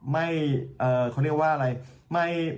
ไม่เขาเรียกว่าอะไร